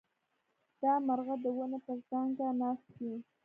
دا مرغه د ونې پر څانګه ناست دی.